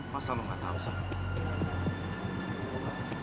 masa lu gak tau sih